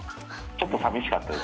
ちょっと寂しかったです。